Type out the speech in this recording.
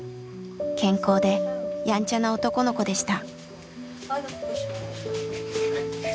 健康でやんちゃな男の子でした。